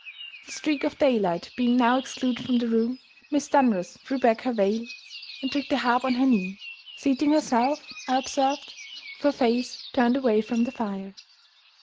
The streak of daylight being now excluded from the room, Miss Dunross threw back her veil, and took the harp on her knee; seating herself, I observed, with her face turned away from the fire.